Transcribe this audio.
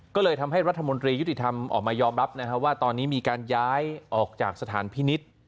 ก็เลยทำให้รัฐมนตรียุติธรรมออกมายอมรับว่าตอนนี้มีการย้ายออกจากสถานพินิษฐ์